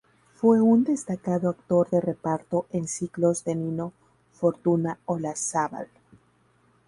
Fue un destacado actor de reparto en ciclos de Nino Fortuna Olazábal.